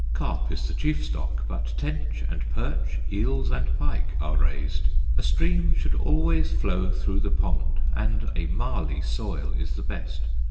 Carp is the chief stock; but tench and perch, eels and pike are raised. A stream should always flow through the pond; and a marley soil is the best.